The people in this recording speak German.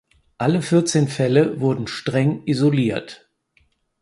Alle vierzehn Fälle wurden streng isoliert.